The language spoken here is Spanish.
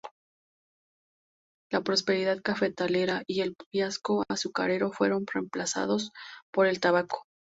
La prosperidad cafetalera y el fiasco azucarero fueron reemplazados por el tabaco.